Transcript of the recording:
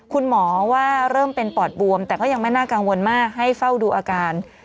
คุณหมอว่าเริ่มเป็นปอดบวมแต่ก็ยังไม่น่ากังวลมากให้เฝ้าดูอาการ